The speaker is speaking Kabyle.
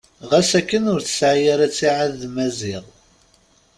Ɣas akken ur tesɛi ara ttiɛad d Maziɣ.